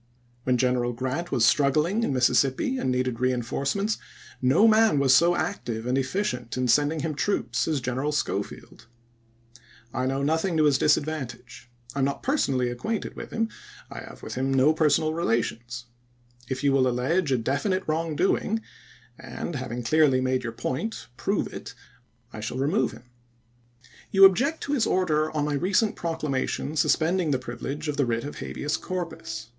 When General Grant was struggling in Mississippi and needed reenforcements, no man was so active and efficient in sending him troops as General Schofield. I know nothing to his disad vantage. I am not personally acquainted with him. MISSOUKI KADICALS AND CONSEEVATIVES 217 I have with him no personal relations. If you CHAP.vni. will allege a definite wrong doing, and, having clearly made your point, prove it, I shall remove him. You object to his order on my recent procla mation suspending the privilege of the writ of habeas corpus.